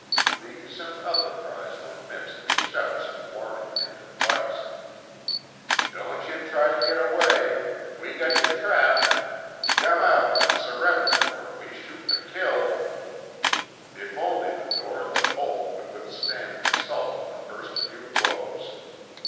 These and other cries were mixed with shouts of warning and advice: "Don't yuh try tuh git away we got yuh trapped come out an' surrender or we shoot tuh kill." If only the door and the bolt would withstand the assault of the first few blows!